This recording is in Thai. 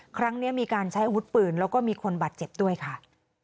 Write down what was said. ครั้งนี้มีการใช้อาวุธปืนแล้วก็มีคนบาดเจ็บด้วยค่ะ